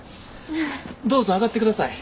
どうぞ上がってください。